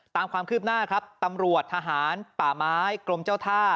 ตามความคืบหน้าครับตำรวจทหารป่าไม้กรมเจ้าท่า